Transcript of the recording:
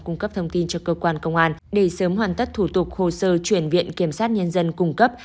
cung cấp thông tin cho cơ quan công an để sớm hoàn tất thủ tục hồ sơ chuyển viện kiểm sát nhân dân cung cấp